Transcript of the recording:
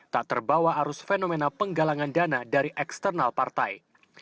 tak terbawa arus fenomena penggalangan dana dari eksternal partai